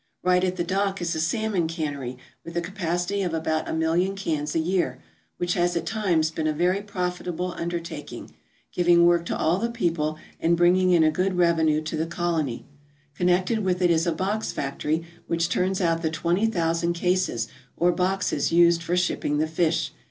Right at the dock is a salmon cannery with a capacity of about a million cans a year, which has at times been a very profitable undertaking, giving work to all the people and bringing in a good revenue to the colony. Connected >with it is a box factory which turns out the twenty thousand cases or boxes used for shipping the fish.